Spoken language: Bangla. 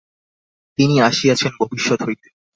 তিনি আসিয়াছেন ভবিষ্যত হইতে।